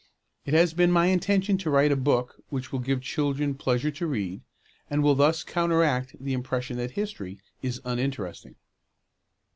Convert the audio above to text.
It has been my intention to write a book which will give children pleasure to read, and will thus counteract the impression that history is uninteresting.